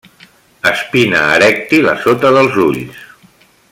Espina erèctil a sota dels ulls.